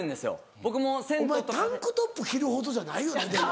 お前タンクトップ着るほどじゃないよねでも。